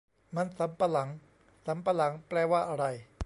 มันสำปะหลัง สำปะหลังแปลว่าอะไร